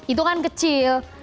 itu kan kecil